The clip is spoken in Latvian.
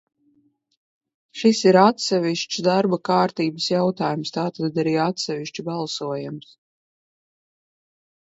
Šis ir atsevišķs darba kārtības jautājums, tātad arī atsevišķi balsojams.